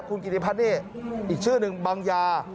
คุณกิติพัฒน์นี่อีกชื่อหนึ่งบังยา